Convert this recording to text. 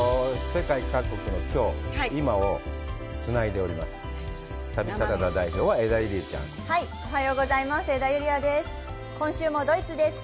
世界各国のきょう、今をつないでおります。